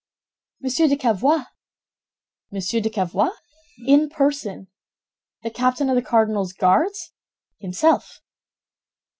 "Monsieur de Cavois." "Monsieur de Cavois?" "In person." "The captain of the cardinal's Guards?" "Himself."